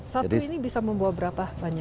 satu ini bisa membawa berapa banyak